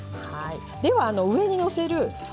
では上にのせる